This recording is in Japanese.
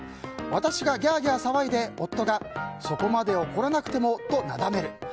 私がギャーギャー騒いで夫が、そこまで怒らなくてもとなだめる。